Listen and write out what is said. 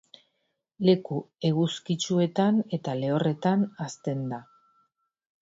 Leku eguzkitsuetan eta lehorretan hazten da.